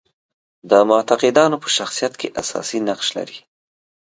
د معتقدانو په شخصیت کې اساسي نقش لري.